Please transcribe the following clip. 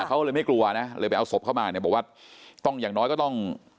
เขาเลยไม่กลัวนะเลยไปเอาศพเข้ามาเนี่ยบอกว่าต้องอย่างน้อยก็ต้อง